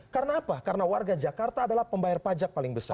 karena apa karena warga jakarta adalah pembayar pajak paling besar